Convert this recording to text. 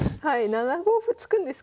７五歩突くんですか。